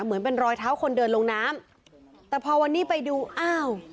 เหมือนเป็นรอยเท้าคนเดินลงน้ำแต่พอวันนี้ไปดูอ้าว